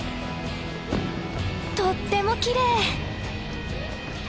とってもきれい！